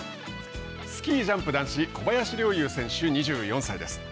スキージャンプ男子小林陵侑選手、２４歳です。